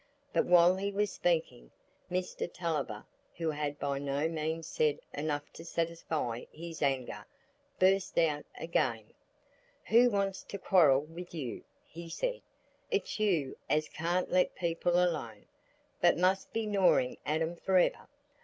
But while he was speaking, Mr Tulliver, who had by no means said enough to satisfy his anger, burst out again. "Who wants to quarrel with you?" he said. "It's you as can't let people alone, but must be gnawing at 'em forever.